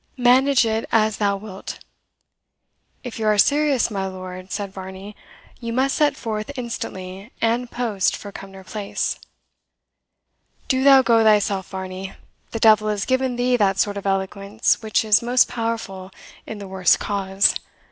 Manage it as thou wilt." "If you are serious, my lord," said Varney, "you must set forth instantly and post for Cumnor Place." "Do thou go thyself, Varney; the devil has given thee that sort of eloquence which is most powerful in the worst cause.